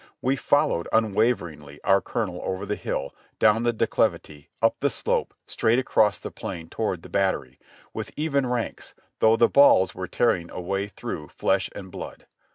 We followed unwaveringly our colonel over the hill, down the de clivity, up the slope, straight across the plain toward the battery, with even ranks, though the balls were tearing a way through flesh and blood.